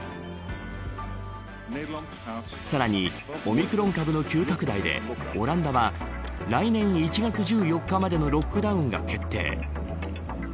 さらに、オミクロン株の急拡大でオランダは来年１月１４日までのロックダウンが決定。